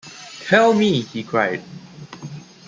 “Tell me!” he cried.